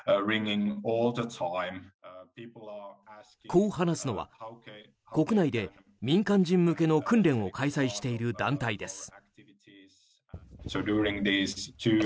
こう話すのは国内で民間人向けの訓練を開催している団体です。